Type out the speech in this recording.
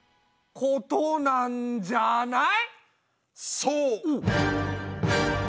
そう！